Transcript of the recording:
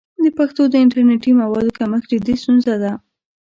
د پښتو د انټرنیټي موادو کمښت جدي ستونزه ده.